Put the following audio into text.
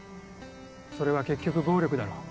それは結局暴力だろ？